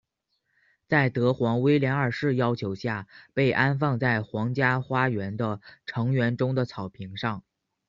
在德皇威廉二世要求下被安放在皇家花园的橙园中的草坪上。